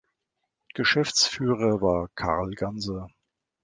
Geschäftsführer war Karl Ganser.